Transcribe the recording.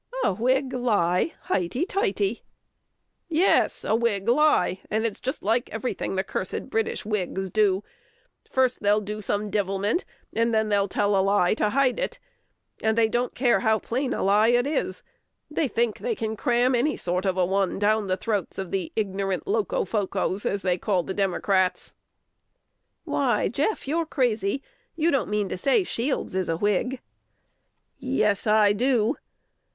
"A Whig lie! Highty tighty!" "Yes, a Whig lie; and it's just like every thing the cursed British Whigs do. First they'll do some divilment, and then they'll tell a lie to hide it. And they don't care how plain a lie it is: they think they can cram any sort of a one down the throats of the ignorant Locofocos, as they call the Democrats." "Why, Jeff, you're crazy: you don't mean to say Shields is a Whig!" "_Yes, I do."